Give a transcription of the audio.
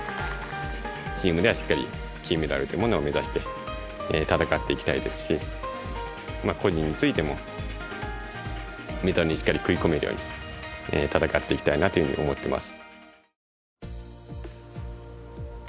チームではしっかり金メダルというものを目指して戦っていきたいですし個人についてもメダルにしっかり食い込めるように戦っていきたいなというふうに思っています。